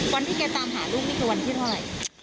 วันที่แกตามหาลูกนี่คือวันที่เท่าไหร่